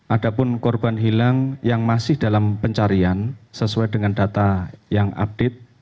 ada pun korban hilang yang masih dalam pencarian sesuai dengan data yang update